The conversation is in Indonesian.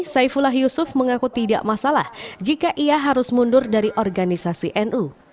saifullah yusuf mengaku tidak masalah jika ia harus mundur dari organisasi nu